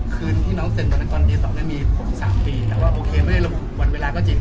คืนที่น้องเซ็นวันนั้นตอนตี๒มีผม๓ปีแต่ว่าโอเคไม่ได้ระบุวันเวลาก็จริง